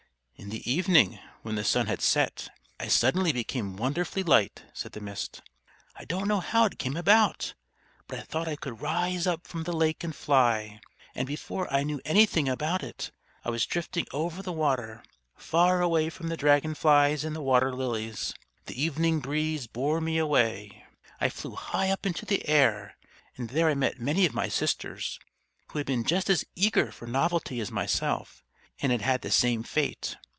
"In the evening, when the sun had set, I suddenly became wonderfully light," said the Mist. "I don't know how it came about, but I thought I could rise up from the lake and fly; and before I knew anything about it, I was drifting over the water, far away from the dragon flies and the water lilies. The evening breeze bore me away. I flew high up into the air, and there I met many of my sisters, who had been just as eager for novelty as myself, and had had the same fate.